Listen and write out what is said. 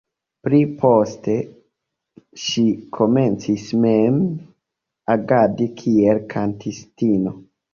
Pli poste ŝi komencis mem agadi kiel kantistino.